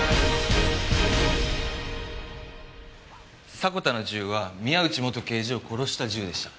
迫田の銃は宮内元刑事を殺した銃でした。